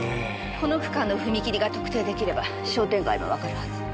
この区間の踏切が特定出来れば商店街もわかるはず。